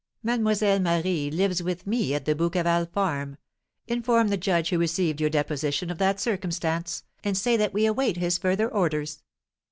Mlle. Marie lives with me at the Bouqueval farm; inform the judge who received your deposition of that circumstance, and say that we await his further orders."